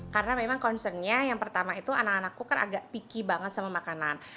karena memang concern nya yang pertama itu anak anakku kan agak picky banget sama makanan